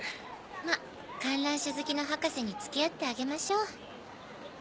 ま観覧車好きの博士に付き合ってあげましょう。